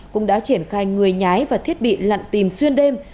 cũng đã triển khai người nhái và thiết bị lặn tìm xuyên đêm